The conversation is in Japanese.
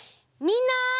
みんな！